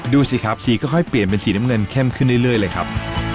ดูสิครับสีก็ค่อยเปลี่ยนเป็นสีน้ำเงินเข้มขึ้นเรื่อยเลยครับ